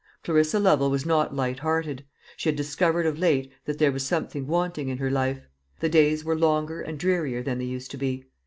Clarissa Lovel was not light hearted. She had discovered of late that there was something wanting in her life. The days were longer and drearier than they used to be.